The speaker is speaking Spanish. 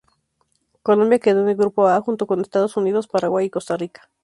Colombia quedó en el Grupo A junto con Estados Unidos, Paraguay y Costa Rica.